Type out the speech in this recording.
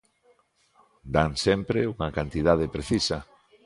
Dan sempre unha cantidade precisa.